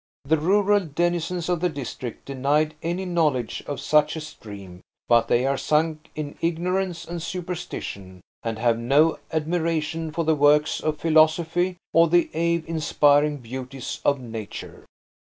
The rural denizens of the district denied any knowledge of such a stream, but they are sunk in ignorance and superstition, and have no admiration for the works of philosophy or the awe inspiring beauties of Nature.'"